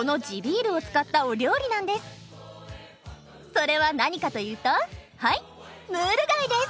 それは何かというとはいムール貝です！